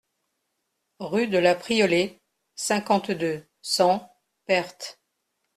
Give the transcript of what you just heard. Rue de la Priolée, cinquante-deux, cent Perthes